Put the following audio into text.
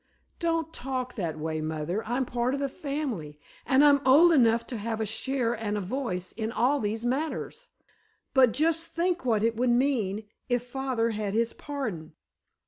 "Don't talk that way, mother. I'm part of the family, and I'm old enough to have a share and a voice in all these matters. But just think what it would mean, if father had his pardon!